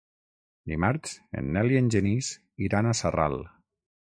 Dimarts en Nel i en Genís iran a Sarral.